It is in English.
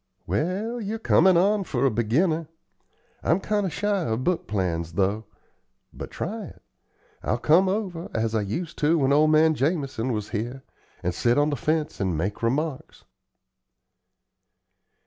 "Well, you're comin' on for a beginner. I'm kind o' shy of book plans, though. But try it. I'll come over, as I used to when old man Jamison was here, and sit on the fence and make remarks."